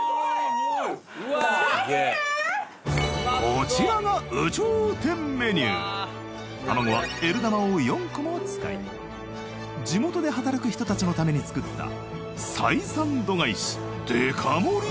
こちらが有頂天メニュー卵はＬ玉を４個も使い地元で働く人たちのために作った採算度外視デカ盛り